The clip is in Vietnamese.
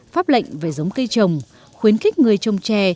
pháp lệnh về giống cây trồng khuyến khích người trồng trè